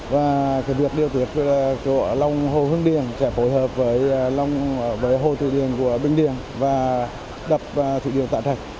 và việc điều tiết chỗ ở lòng hồ hương điền sẽ phối hợp với hồ thủy điện của bình điền và đập thủy điện tả trạch